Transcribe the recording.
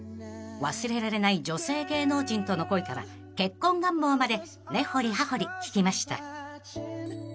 ［忘れられない女性芸能人との恋から結婚願望まで根掘り葉掘り聞きました］